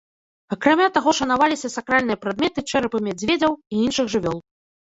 Акрамя таго, шанаваліся сакральныя прадметы, чэрапы мядзведзяў і іншых жывёл.